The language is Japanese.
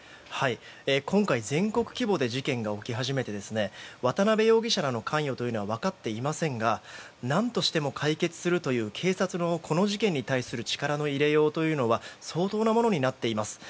今回、全国規模で事件が起き始めて渡邉容疑者らの関与は分かっていませんが何としても解決するという警察のこの事件に対する力の入れようは相当なものになっています。